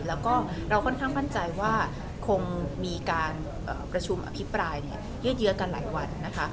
แล้วก็เราค่อนข้างมั่นใจว่าคงมีการประชุมอภิปรายยืดเยอะกันหลายวันนะคะ